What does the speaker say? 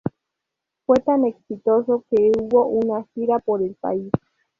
Fue tan exitoso que hubo una gira por el país.